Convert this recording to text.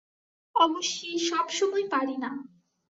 অবশ্যি সব সময় পারি না।